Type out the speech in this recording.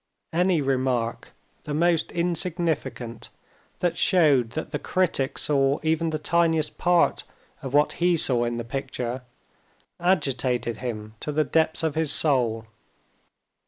Any remark, the most insignificant, that showed that the critic saw even the tiniest part of what he saw in the picture, agitated him to the depths of his soul.